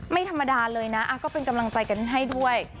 ไม่ธรรมดาเลยนะก็เป็นกำลังใจกันให้ด้วย